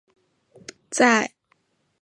在法规与政府监管之外。